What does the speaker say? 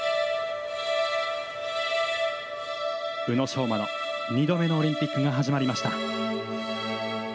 宇野昌磨の２度目のオリンピックが始まりました。